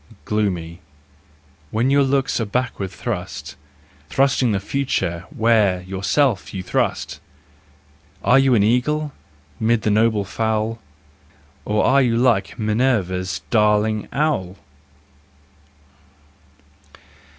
... Shy, gloomy, when your looks are backward thrust, Trusting the future where yourself you trust, Are you an eagle, mid the nobler fowl, Or are you like Minerva's darling owl